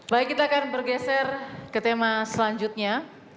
baik kita akan bergeser ke tema selanjutnya